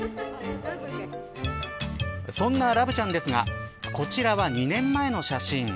そんなラブちゃんですがこちらは２年前の写真。